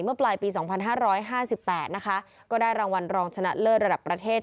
เมื่อปลายปีสองพันห้าร้อยห้าสิบแปดนะคะก็ได้รางวัลรองชนะเลิศระดับประเทศ